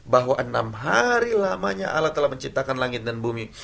bahwa enam hari lamanya alat telah menciptakan langit dan bumi